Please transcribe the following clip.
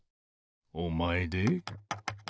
おまえで？